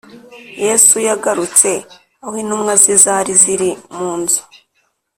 Yesu yagarutse aho intumwa ze zari ziri munzu